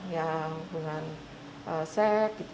yang dengan seks